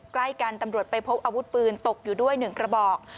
ใกล้กันตำรวจไปพบอาวุธปืนตกอยู่ด้วย๑กระบอก